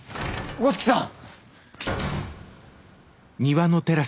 五色さん。